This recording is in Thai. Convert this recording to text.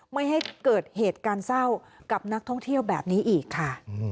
ไม่ให้เกิดเหตุการณ์เศร้ากับนักท่องเที่ยวแบบนี้อีกค่ะ